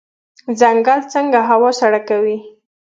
ځنګل څنګه هوا سړه کوي؟